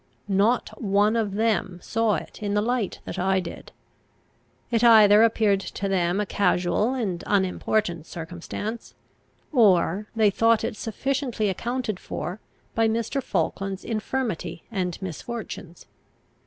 Not one of them saw it in the light that I did. It either appeared to them a casual and unimportant circumstance, or they thought it sufficiently accounted for by Mr. Falkland's infirmity and misfortunes.